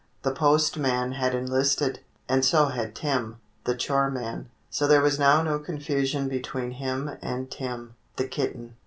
The postman had enlisted, and so had Tim, the chore man, so there was now no confusion between him and Tim, the kitten.